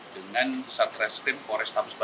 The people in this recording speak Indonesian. dengan satres ketrim boda mitun jaya